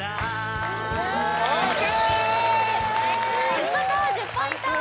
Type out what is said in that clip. お見事１０ポイント！